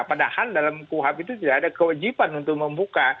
padahal dalam kuhab itu tidak ada kewajiban untuk membuka